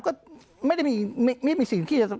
ก็ไม่มีสิ่งที่จะ